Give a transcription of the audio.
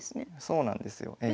そうなんですよええ。